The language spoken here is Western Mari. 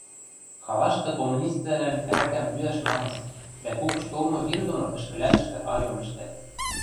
халашты коммуниствлӓлӓн ӓрӓкӓм йӱӓш намыс, дӓ купыш толмы вир доно ӹшкӹлӓнӹштӹ айом ӹштӓт.